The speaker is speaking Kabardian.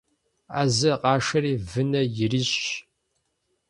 Ӏэзэ къашэри вынэ ирищӀщ.